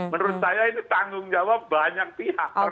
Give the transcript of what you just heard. menurut saya ini tanggung jawab banyak pihak